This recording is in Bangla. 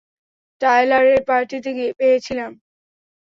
টায়লারের পার্টিতে পেয়েছিলাম।